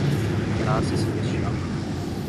Praça celestial